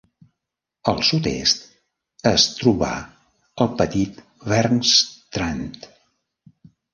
Al sud-est es trobar el petit Bergstrand.